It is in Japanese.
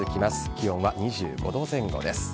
気温は２５度前後です。